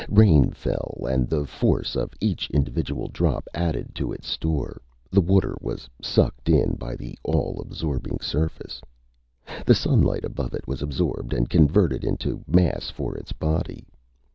Rain fell, and the force of each individual drop added to its store. The water was sucked in by the all absorbing surface. The sunlight above it was absorbed, and converted into mass for its body.